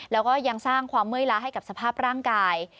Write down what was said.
แล้วก็ยังสร้างความเมื่อยล้าให้กับสภาพร่างกาย